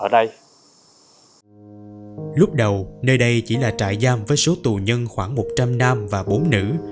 lúc đầu nơi đây chỉ là trại giam với số tù nhân khoảng một trăm linh nam và bốn nữ